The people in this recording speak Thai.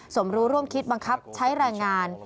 สมรู้ร่วมคิดบังคับใช้แรงงาน